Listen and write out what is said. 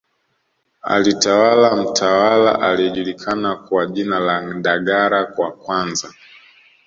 Alitawala mtawala aliyejulikana kwa jina la Ndagara wa kwanza